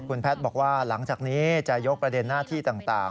คุณแพทย์บอกว่าหลังจากนี้จะยกประเด็นหน้าที่ต่าง